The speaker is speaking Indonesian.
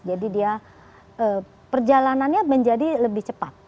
jadi dia perjalanannya menjadi lebih cepat